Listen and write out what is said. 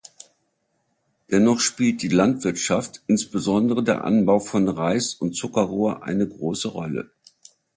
Dennoch spielt die Landwirtschaft, insbesondere der Anbau von Reis und Zuckerrohr, eine große Rolle.